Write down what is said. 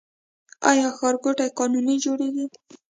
آیا ښارګوټي قانوني جوړیږي؟